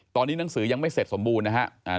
ตอนนี้หนังสือยังไม่เสร็จสมบูรณ์นะครับ